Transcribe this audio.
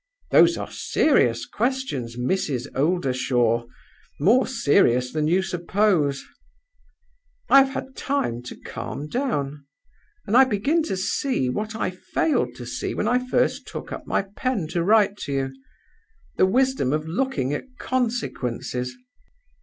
"Those are serious questions, Mrs. Oldershaw more serious than you suppose. I have had time to calm down, and I begin to see, what I failed to see when I first took up my pen to write to you, the wisdom of looking at consequences.